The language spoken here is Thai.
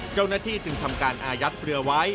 เจ้าหน้าที่จึงทำการอายัดเรือไว้